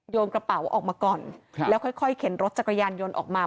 กระเป๋าออกมาก่อนแล้วค่อยเข็นรถจักรยานยนต์ออกมา